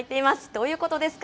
どういうことですか？